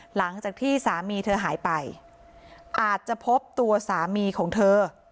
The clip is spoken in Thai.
หลังจากที่สามีเธอหายไปอาจจะพบตัวสามีของเธอ